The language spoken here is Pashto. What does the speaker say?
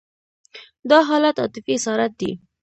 دا حالت عاطفي اسارت دی.